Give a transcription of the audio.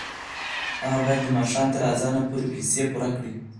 هغه باید د ماښام تر اذانه پورې پیسې پوره کړي.